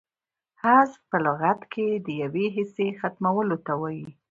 حذف په لغت کښي د یوې حصې ختمولو ته وايي.